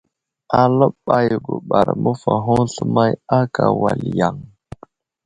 Aləɓay guɓar məfahoŋ sləmay ákà wal yaŋ.